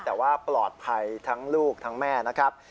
แต่ว่าปลอดภัยทั้งลูกทั้งแม่นะครับ